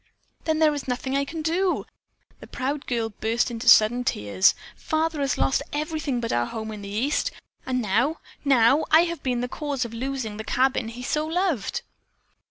"Then there is nothing that I can do!" The proud girl burst into sudden tears. "Father has lost everything but our home in the East, and now, now I have been the cause of his losing the cabin he so loved."